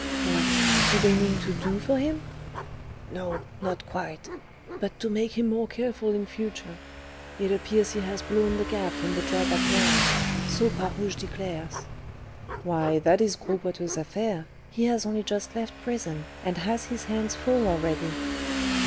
"What, do they mean to do for him?" "No, not quite, but to make him more careful in future. It appears he has 'blown the gaff' in the job at Nantes, so Bras Rouge declares." "Why, that is Gros Boiteux's affair; he has only just left prison, and has his hands full already."